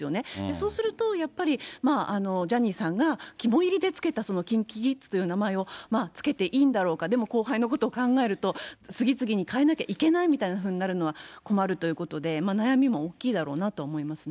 そうするとやっぱり、ジャニーさんが肝煎りで付けたＫｉｎＫｉＫｉｄｓという名前を付けていいんだろうか、でも後輩のことを考えると、次々に変えなきゃいけないみたいなふうになるのは困るということで、悩みも大きいだろうなと思いますね。